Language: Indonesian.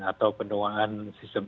atau penuaan sistem